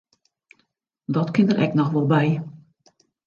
Dat kin der ek noch wol by.